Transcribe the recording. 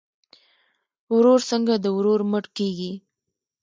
ورور څنګه د ورور مټ کیږي؟